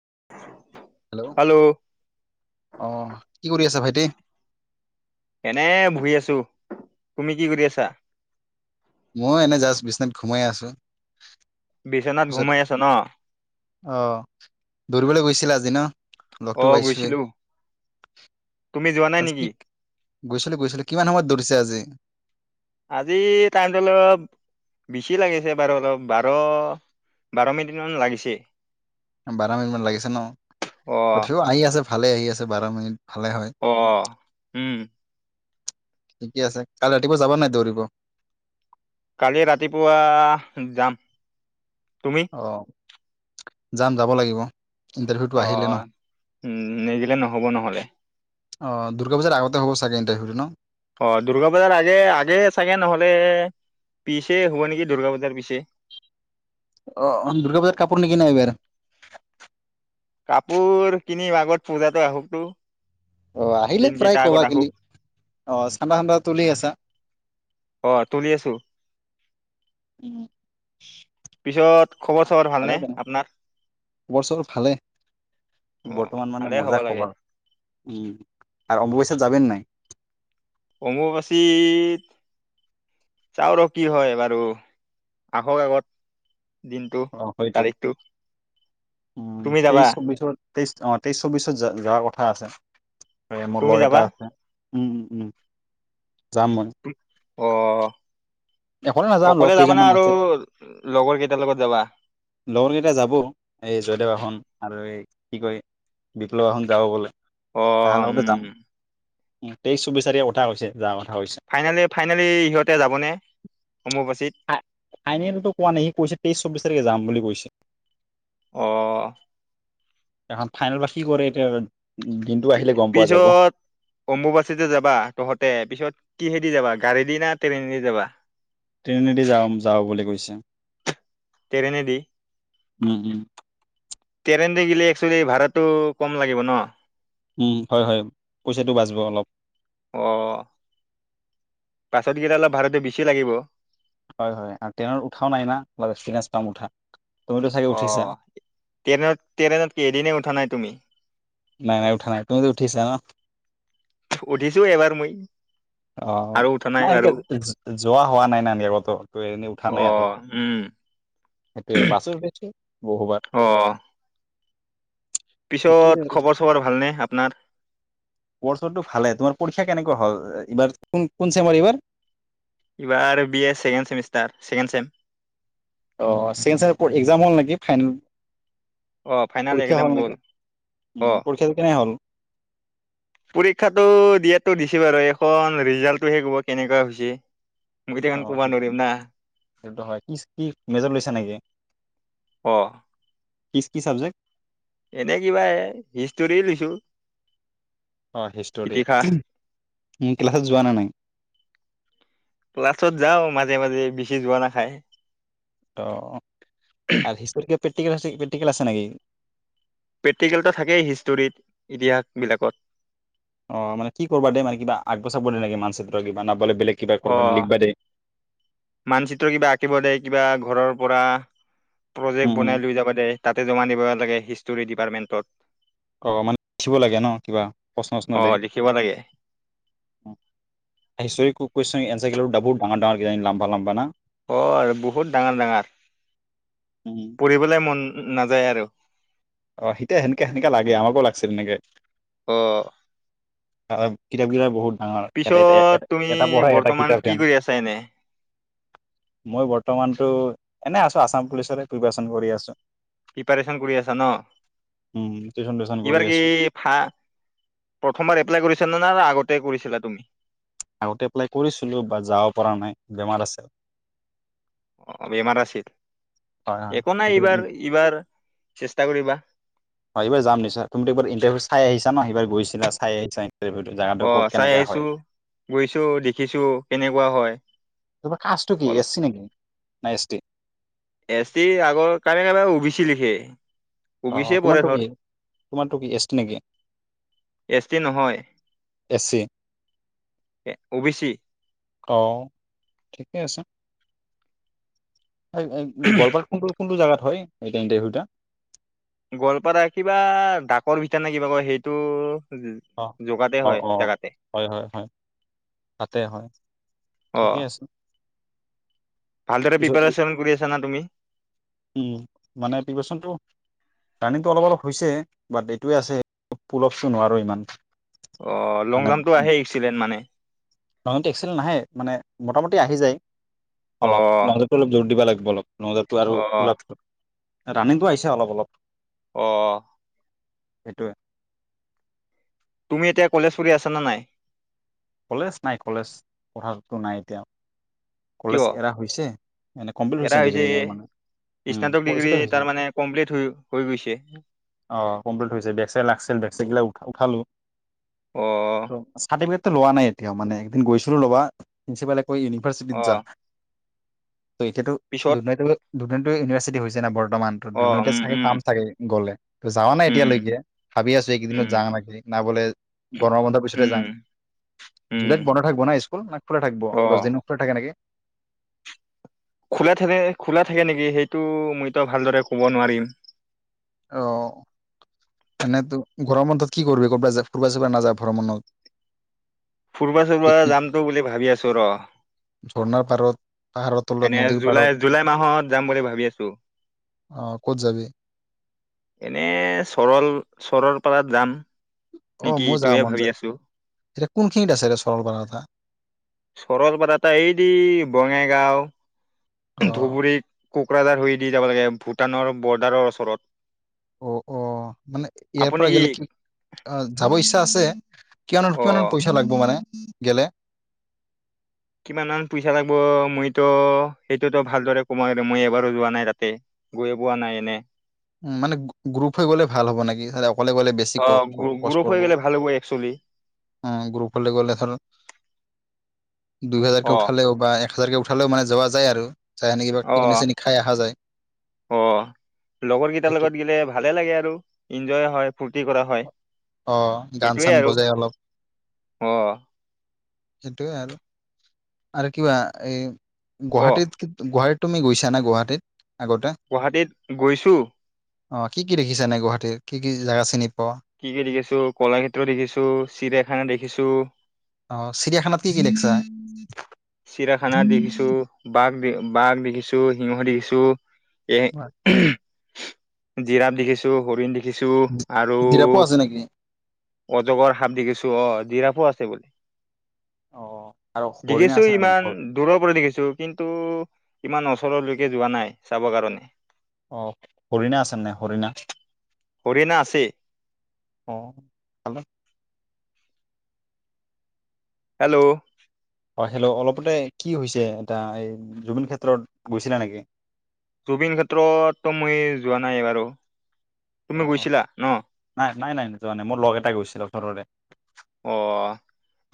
[inaudible] Hello অ' কি কৰি আছে ভাই? টি। এনে বহি আছো। তুমি কি কৰি আছা? ময়ো এনে জাষ্ট বিচনাত ঘুমাই আছোঁ। বিচনাত পিছত ঘুমাই আছা ন অ' দৌৰিবলৈ গৈছিলা আজি ন'? লগ অ ত' পাইছোৱে। গৈছিলো তুমি যোৱা নাই আজি নেকি কি, গৈছিলো গৈছিলো। কিমান সময়ত দৌৰিছা আজি? আজি টাইমটো অলপ বিছি লাগিছে বাৰু অলপ বাৰ - বাৰ মিনিটমান লাগিছে। বাৰ মিনিট মান লাগিছে ন? অ তঠাপিও আহি আছে ভালে আহি আছে বাৰ মিনিট। ভালে হয় অ! অ উম ঠিকে আছে কাইলে ৰাতিপুৱা যাবা নাই দৌৰিব? কালি ৰাতিপুৱা যাম। তুমি অ যাম যাব লাগিব। ইণ্টাৰভিউটো অ আহিলে ন উম নিদিলে নহ'ব নহ'লে অঁ দুৰ্গা বজাৰ আগতে হ'ব চাগে ইণ্টাৰভিউটো ন? অ দুৰ্গা পূজাৰ আগে-আগে চাগে নহ'লে পিছে হ'ব নেকি দুৰ্গা পূজাৰ পিছে। অহ দুৰ্গা পূজাৰ কাপোৰ নিকিন এইবাৰ কাপোৰ কিনিম আগত পূজাটো আহক চোন। অ আহিলে প্ৰায় ক'বা খেলি অ চান্দা-টান্দা তুলি আছা অ তুলি আছোঁ। উম খবৰ চবৰ ভালনে ভালে বাৰু আপোনাৰ? খবৰ-চবৰ ভালে অ বৰ্তমান মানে ভালে হ'ব মজা লাগে। খবৰ উম আৰম্ভ হৈ যাবি নে নাই? অম্বুবাচীত চাও ৰ কি হয় বাৰু আহক আগত। দিনটো অ সেইটোৱে তাৰিখটো উম তুমি যাবা তেইশ চৌবিশ তেইশ অ তেইশ চৌবিছত য যোৱাৰ কথা আছে। মোৰ তুমি লগৰ যাবা এটা আছে উম। উম যাম মই। অঁ! অকলে নাযাওঁ লগকেইজনমান আছে লগৰ কেইটাৰ লগত যাবা? লগৰকেইটা যাব এই জয়দেৱাখন আৰু এই কি কয় বিপ্লৱহন যাব বোলে অ! উম। তেইছ চৌবিছ তাৰিখ কথা হৈছে যাম আ ফাইনেলি-ফাইনেলি সিহঁতে যাবনে? অম্বুবাচীত? ফাইনেলতো কোৱা নাই সি কৈছে তেইশ চৌবিশ তাৰিখে যাম বুলি কৈছে। ছে অঁ! শেষত ফাইনেল বা কি কৰে এতিয়া দিনটো আহিলে গম পোৱা যাব পিছত অম্বুবাচীতে যাবা তহঁতে পিছত কি হে কিহেদি যাবা গাড়ী দি না ট্ৰেইন দি যাবা। ট্ৰেইনে দি যাব যাম বুলি কৈছে। ট্ৰেইনে দি উম উম ট্ৰেইনে তাতে গলে একচোৱেলি ভাড়াটো কম লাগিব ন? উম, হয় হয়। পইচাঁটো বাছ ব অলপ। পাছতকেইটা অলপ ভাড়াতে বেছি লাগিব হয় হয় ট্ৰেইনত উঠাও নাই না অলপ এক্সপিৰিয়েঞ্চ পাম উঠাত অঁ ট্ৰেইনত ট্ৰেইনত কেইদিনে উঠা নাই তুমি নাই নাই উঠা নাই তুমিতো উঠিছা ন উঠিছো এবাৰ মই আহ আৰু উঠা নাই এনেকে বাৰু যোৱা হোৱা নাই নাই আগতো ত এনেই উঠা অ নাই আৰু উম সেইটোৱে বাছৰ উঠো বহুবাৰ অ পিছত খবৰ চবৰ ভালনে আপোনাৰ পইচাঁ টো ভালে তোমাৰ পৰীক্ষা কে কেনো হ এইবাৰ কোন কোন চেমৰ এইবাৰ এইবাৰ B A second semester second sem অঁ চেঞ্চ প একজাম হ'ল নেকি ফাইনেল অহ ফাইনেল পৰীক্ষা একজাম হ'ল গল নেকি উম আহ পৰীক্ষাটো কেনে হ'ল পৰীক্ষাটো দিয়ে টো দিছে বাৰু এখন ৰিজাল্টটো হে ক'ব কেনেকোৱা হৈছে মই দেখোন অঁ ক'ব সেইটো নোৱাৰিম না সেইত হয় কি কি মেজৰ লৈছা নেকি অ কিছ কি চাবজেক্টৰ এনে কিবা এ হিষ্টৰ লৈছো অঁ হিষ্টৰি ইতিহাস মোৰ ক্লাছত যোৱা না নাই ক্লাছত যাওঁ মাজে মাজে বেচি যোৱা নাহয় অঁ আৰু সিচ প্ৰটিকেল আছে নেকি প্ৰেক্টিকেলটো থাকেই হিষ্টৰীত ইতিহাসবিলাকত অঁ মানে কি কৰিবা দ মানে কিবা আগবচাব দ দে নে মান চৰ কিবা ন বেলেগ কিবা অ ক লিখবা দে মানচিত্ৰ কিবা আঁকিব দিয় কিবা ঘৰৰ পৰা উম প্ৰজেক্ট উম বনাই লৈ যাবা দে তাতে জমা দিব লাগে হিষ্টৰী ডিপাৰ্টমেণ্টত অঁ মানে উঠিব লাগে ন কিবা প্ৰশ্ন উশ্ন অ দ লিখিব লাগে চ ডাবু ডাঙৰ ডাঙৰ লাম্বা লাম্বা অঁ আৰু বহুত ডাঙৰ ডাঙৰ উম। পঢ়িবলৈ মন উম নাযায় আৰু অঁ সিতেয়া সেনেকে সেনেকাে লাগে আমাকো লাগিছে তেনেকে অঁ কিতাপ কিলাৰ বহুত ডাঙৰ এটা এটা পিছত এটা তুমি এটা পঢ়া এটা কিতাপ বৰ্তমান হেন কি কৰি আছা এনে মই বৰ্তমানতো এনে আছো আসাম পুলিচৰে প্ৰিপাৰচন কৰি আছো পিপিয়াৰ্ষণ কৰি আছ উম টিউচন টিউচন কৰি বাৰ কি আছো প্ৰথমবাৰ এপ্লাই কৰিছ নে না আগতে তে কৰিছিলা তুমি। আগতে এপ্লাই কৰিছিলোঁ বা যাব পৰা নাই, বেমাৰ আছে। অ বেমাৰ আছিল, হয় একো নাই হয় এইবাৰ এইবাৰ চেষ্টা কৰিবা। হয় এইবাৰ যাম নিশ্চয়, তুমিতো এইবাৰ ইণ্টাৰভিউ চাই আহিছা ন এইবাৰ গৈছিলা চাই আহিছা ইণ্টাৰভিউটো জাগাটো অ ক'ত চাই কেনেকা আহিছো, হয় গৈছো, দেখিছো কেনেকুৱা হয়, তোমাৰ কাষ্টটো কি অলপ এছ চি নেকি না এছ টি? এছ টি আগৰ, কাৰে কাবাৰ ও বি চি লিখে। ও অ বি চি পৰে তোমাৰটো কি ধৰ, তোমাৰটো কি এছ টি নেকি এছ টি নহয়, S C O B C. অ, ঠিকে আছে। এ এ, গোৱালপাৰাৰ কোনটো কোনটো জেগাত হয়, এইটা ইণ্টাৰ্ভিও টা? গোৱালপাৰা কিবা, ডাকৰ ভিতা নে কিবা কয় সেইটো অ, জগাতে অ হয় অ, জেগাতে হয় হয় হয় তাতে হয়, অ ঠিকেই আছে। ভালদৰে পিছত প্ৰিপাৰেচন কৰি আছা না তুমি? উম, মানে প্ৰিপাৰেচনটো, ৰানিংটো অলপ অলপ হৈছে, বাট এইটোৱে আছে পুলপচো নোৱাৰো ইমান। অ লং মানে জাম্প টো আহেই আহিছিলে মানে। এক্সেল নাহে, মানে মোটামুটি আহি যায়। অ অলপ, নহলে তো অলপ জোৰ দিব লাগে। বলক। নদতো আৰু অ পুল আপটো ৰানিংটো আহিছে অলপ অলপ। অ। সেইটোৱে। তুমি এতিয়া কলেজ পঢ়ি আছা নে নাই? কলেজ নাই, কলেজ পঢ়াতো নাই এতিয়া। কলেজ কিয় এৰা হৈছে, মানে কম্প্লীত হৈছে ডিগ্ৰী মোৰ মানে, উম স্নাতক হৈছে ডিগ্ৰী ত হৈছে, তাৰ মানে কমপ্লিট হৈ হৈ গৈছে অ কম্পলিত হৈছে বেক চেক লাগছিল, বেক চেক গিলা উঠা খালোঁ। অ চাৰ্টিফিকেট লোৱা নাই এতিয়া মানে, একদিন গৈছিলো লবা, প্ৰিন্সিপালে কৈ উনি ফচ অ বিজজা ত এতিয়াতো পিছত দুৰ্নৈত দুদেণ্টো ইউনিভাৰ্ছিটি হৈছে ন বৰ। বৰ্তমান অ দুনতে উম চাগে উম পাম চাগে গ'লে। যাৱা নাই উম এতিয়ালৈকে, ভাবি আছো এইকেইদিনত উম যাওঁ নেকি না বোলে গৰমৰ বন্ধৰ পিছতে যাম, উম উম জুলাইত বন্ধ থাকিব না স্কুল না খোলা থাকিব অ দশ থাকে নেকি। খোলা থাকে- খোলা থাকে নেকি সেইটো মইতো ভালদৰে কব নোৱাৰিম। অহ, এনেতো গৰম বন্ধত কি কৰবি কৰবাত যা ফুৰবা চুৰবা নাযা ভ্ৰমণত? ফুৰিবা চুৰবা যামতো বুলি ভাবি আছো ৰ। ঝৰ্ণাৰ পাৰত। পাহাৰৰ তলত এনে নদীৰ জুলাই পাৰত -জুলাই মাহত যাম বুলি ভাবি আছো। অ ক'ত যাবি এনে চৰল-চৰল কবাত যাম। অ নিকি মোৰ যাব এইটোয়ে মন ভাবি যায় আছো এতিয়া কোনখিনিত আছে এতিয়া চৰলপাৰা কথা চৰলপাৰ এটা এইদি বঙাই গাঁও। অ ধুবুৰী। কোকৰাঝাৰ হৈ দি যাব লাগে ভূটানৰ বৰ্ডাৰৰ অচৰত। অহ - অহ মানে ইয়াৰ পৰা গেলে কি অহ যাব ইচ্ছা আছে কিমানমান অ -কিমানমান পইচা লাগব মানে? গেলে। কিমানমান পইচা লাগব মইতো সেইটোতো ভালদৰে কমুৱাই দে মই এবাৰো যোৱা নাই তাতে গৈয়ে পোৱা নাই এনে। উম, মানে গ্ৰ -গ্ৰুপ হৈ গলে ভাল হব নেকি অকলে গলে বেছি অ গ্ৰু- খৰচ গ্ৰুপ হৈ পৰব গ'লে ভাল হ'ব একচুৱেলি। উম গ্ৰুপলৈ গলে ধৰ দুই হাজাৰকে অ', উঠালেও বা এক হাজাৰ কে উঠা ফালেও মানে যোৱা যায় আৰু। চাই হেনে কিবা পিকনিক অ', চিকনিক খাই আহা যায়। অ', লগৰ কেইটাৰ সেইটোৱে। লগত গেলে ভালে লাগে আৰু ইনজয় হয় ফূৰ্তি কৰা হয় অ গান সেইটোৱে চান আৰু বজাই অহ। সিটোৱে আৰু -আৰু কিবা এই অ', গুৱাহাটীত কি গুৱাহা তুমি গৈছা না গুৱাহাটীত? গুৱাহাটীত গৈছো। অহ, কি -কি দেখিছা এনে গুৱাহাটীৰ কি কি জেগা চিনি পোৱা কি -কি দেখিছো কলাক্ষেত্ৰ দেখিছো চিৰায়াখানা দেখিছো অহ, চিৰিয়াখানাত কি কি দেখছা? চিৰিয়াখানা দেখিছো বাঘ দে বাঘ দেখিছো সিংহ দেখিছো। এ হয়। জিৰাফ দেখিছো হৰিণ দেখ দেখিছো আৰু জিৰাপো আছে নেকি? অজগৰ সাপ দেখিছো। অহ, জিৰাফো আছে বুলে। অহ, আৰু হৰিণ ছো ইমান দূৰৰ পৰা দেখিছো কিন্তু ইমান ওচৰলৈকে যোৱা নাই চাবৰ কাৰণে অ হৰিণা আছে নাই হৰিণা হৰিণা আছে। অ হেল্ল' হেল্ল' হয় হেল্ল' অলপতে কি হৈছে এটা এই জুবিন ক্ষেত্ৰত গৈছিলা নেকি? জুবিন ক্ষেত্ৰততো মই যোৱা নাই বাৰু অ তুমি অ গৈছিলা ন নাই নাই নাই যোৱা নাই মোৰ লগ এটা গৈছিলচৰৰে। অ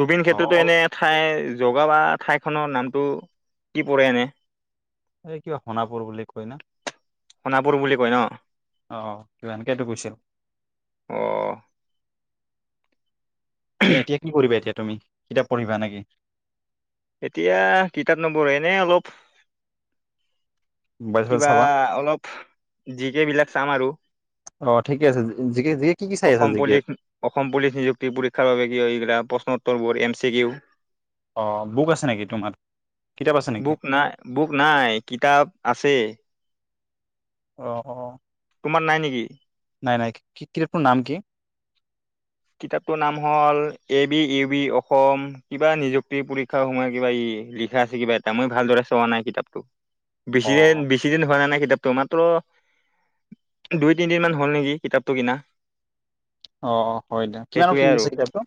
ৰুবিন অ খেত্ৰতো অল এনে ঠাই জগাাব। ঠাইখনৰ নামটো কি পৰে এনে এই কিবা সোণাপুৰ বুলি কৈ না সোণাপুৰ বুলি কয় ন আহ কিবা এনেকটো কৈছিল। অ এ এতিয়া কি কৰিবা এতিয়া তুমি কিতাপ পঢ়িবা নেকি এতিয়া কিতাপ নবঢেনে অলপ মোবাইল চোবাইল কিবা চাবা অলপ জিকেই বিলাক চাম আৰু অ ঠিকে আছে জি জিকে কি কি চাই আছা অসম জিকেত পুলিচ অসম পুলিচ নিযুক্তি পৰীক্ষাৰ বাবে কি হয়িলা প্ৰশ্ন উত্তৰ বোৰ এম চি কি ইউ অ বুক আছে নেকি তোমাৰ কিতাপ আছে নেকি বুক নাই বুক নাই কিতাপ আছে অ অ তোমাৰ নাই নেকি? নাই নাই কিতাপটোৰ নাম কি? কিতাপটোৰ নাম হ'ল A B U B Assam কিবা নিযুক্তি পৰীক্ষাৰ সময়ত কিবা ই লিখা আছে কিবা এটা মই ভালদৰে চোৱা নাই কিতাপটো অ বেছিদিন বেছি দিন হোৱা নাই নাই কিতাপ ত' মাত্ৰ দুই তিনিদিন মান হ'ল নেকি কিতাপটো কিনা অ অ হয় দিয়া কিমানত সেইটোৱে আৰু কিনধিছে কিতাপটো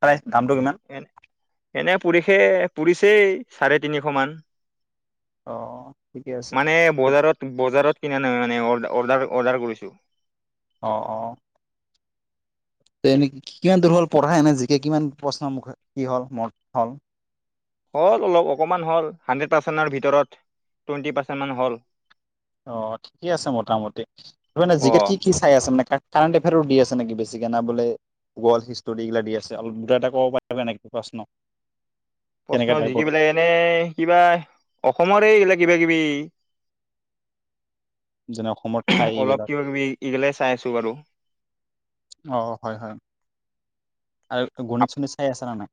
প্ৰাই দামটো কিমান পুছেই চাৰে তিনিশ মান অ ঠিকে আছে মানে বজাৰত বজাৰত কিনা নহয় মানে অ অৰ্ডাৰ অৰ্ডাৰ কৰিছো অ অ এনে কিমান দূৰ হল পঢ়া এনে জিকে কিমান প্ৰশ্নৰ মুখ কি হল মন হল হ'ল অলপ অকণমান হ'ল হাণ্ড্ৰেড পাৰ্চেণ্টৰ ভিতৰত টুৱেণ্টি পাৰ্চেণ্টমান হ'ল। অ ঠিকে আছে মোটামুটি তানে অ জিকট কি কি চাই আছে মানে ক কাৰেণ্ট এফেয়াৰো দি আছে নেকি বেছিকে বোলে হিষ্টী এইগিলা দি আছে অলপ দুটা এটা ক'ব পাৰ নে প্ৰশ্ন? কেনেকা প্ৰশ্ন টাইপৰ জিকিবিল এনে কিবা অসমৰে এইলে কিবা কিবি। যেনে অসমৰ ঠাই অলপ এইবিলাক কিবা কিবি এইগিলাই চাই আছো বাৰু। অ হয় হয়। আৰু গণিত চণিত চাই আছা না নাই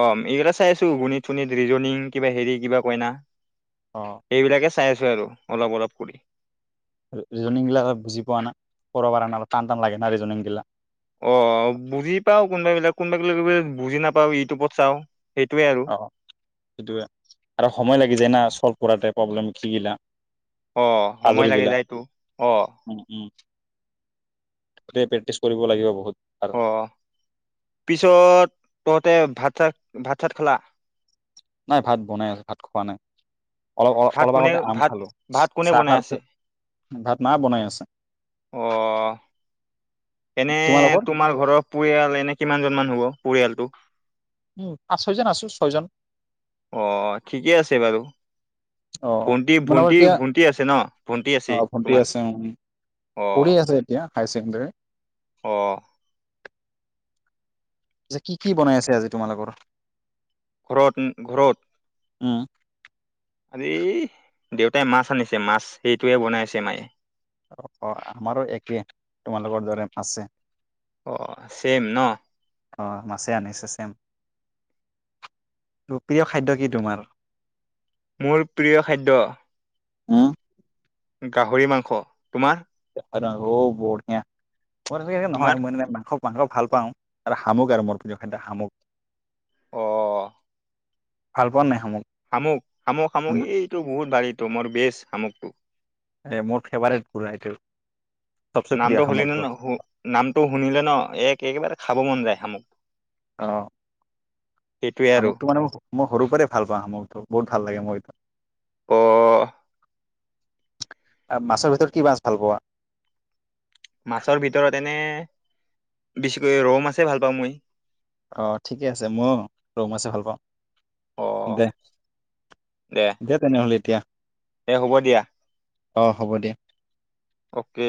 অ এইগিলটা চাই আছো গুণিত চুণিত ৰিজনং। কিবা হেৰি কিবা কইনা। অ', এইবিলাকে? চাই আছো আৰু অলপ অলপ কৰি। ৰিজনং গিলাক বুজি পোৱা না কৰ অল টান টান লাগে না ৰিজনং গিলাক। অ বুজি পাও কোনোবাবিলাক কোনোবা বিলাক বুজি নাপাও ইউটিউবত চাওঁ। অ সেইটোয়ে আৰু সময় লাগি যায় ন স। শ্লভ কোৰাতে প্ৰব্লেম জি গিলা। আহ পাজল সময় লাগে গিলা যাইতটো অ। উম উম গোটেই প্ৰেক্টিচ কৰিব লাগিব বহুত। আৰু অ পিছত ত। তাতে ভাত চাত ভাত চাত খোলা। নাই ভাত বনাই আছে ভাত খোৱা নাই। অলপ অ ভাত অলপ কোনে আগতে আম ভাত খালো ভাত কোনে চাহ বনাই খাৰ আছে ভাত মা বনাই আছে। অ এনে তোমালোকৰ? তোমাৰ ঘৰৰ পৰিয়াল এনে কিমান জনমান হব। পৰিয়ালটো? উম, পাঁচ ছয়জন আছো ছয়জন। আহ ঠিকেই আছে বাৰু অ', ভন্টি তোমালোকৰ ভন্টি এতিয়া ভণ্টি আছে ন ভণ্টি আছে অ', ভণ্টি তোমাৰ আছে উম, অ। পঢ়ি আছে এতিয়া হায়াৰ ছেকেণ্ডৰী। আহ কি কি বনাই আছে আজি তোমালোকৰ? ঘৰত ঘৰত। উম আজ দেউতাই মাছ আনিছে মাছ সেইটোয়ে বনাইছে মায়ে। আমাৰো একে তোমালোকৰ দৰে আছে। অ চেম ন। অ মাছে আনিছে চেম প্ৰিয় খাদ্য কি তোমাৰ। মোৰ প্ৰিয় খাদ্য। আহ। গাহৰি মাংস তোমাৰ। ওও বৰিয়া। ম তেনেকে নহয় তোমাৰ মানে মাংস। মাংস ভাল পাওঁ আৰু শামুক আৰু মোৰ প্ৰিয় খাদ্য শামুক। আহ ভাল পোৱা নাই শামুক। শামুক শামুক শামুক উম, এইটো বহুত ভাৰীটো মোৰ বেচ শামুক। উ এ মোৰ ফেভাৰট বুঢ়া এইটো। চবচে প্ৰিয় নামটো শুলিলে শামুকটো। নু নামটো শুনিলে ন একেবাৰে খাব মন যায় শামুক অ সেইটোৱে আৰু শামুকটো মানে মই সৰু পৰাই ভাল পাওঁ শামুখটো বহুত ভাল লাগে মোৰ এইটো প মাছৰ ভিতৰত কি মাছ ভাল পোৱা মাছৰ ভিতৰত এনে বেছিকৈ ৰৌ মাছেই ভাল পাওঁ মই অ ঠিকে আছে মই ৰৌমাছে ভাল পাওঁ অ দে দে তেনেহ'লে এতিয়া এ হ'ব দিয়া অ হ'ব দিয়া অকে